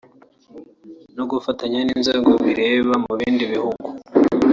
no gufatanya n’inzego bireba mu bindi bihugu